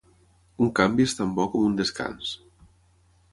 Un canvi es tan bo com un descans.